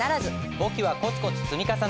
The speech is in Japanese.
簿記はコツコツ積み重ね。